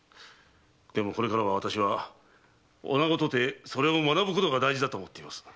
でも私はこれからは女子とてそれを学ぶことが大事だと思っています。